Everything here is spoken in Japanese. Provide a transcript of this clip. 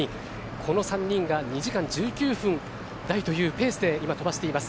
この３人が２時間１９分台というペースで今、飛ばしています。